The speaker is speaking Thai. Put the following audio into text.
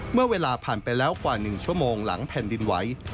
เมื่อเวลาผ่านไปแล้วกว่า๑ชั่วโมงหลังแผ่นดินไหว